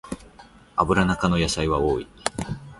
アブラナ科の野菜は多い